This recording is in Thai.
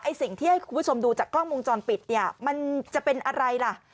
สิ่งที่ให้คุณผู้ชมดูจากกล้องวงจรปิดเนี่ยมันจะเป็นอะไรล่ะ